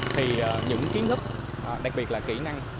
thì những kiến thức đặc biệt là kỹ năng